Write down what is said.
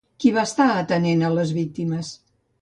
Qui va estar atenent a les víctimes?